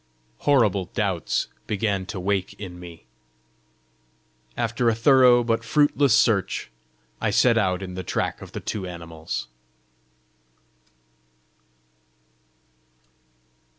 Horrible doubts began to wake in me. After a thorough but fruitless search, I set out in the track of the two animals.